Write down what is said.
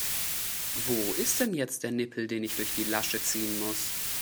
Wo ist denn jetzt der Nippel, den ich durch die Lasche ziehen muss?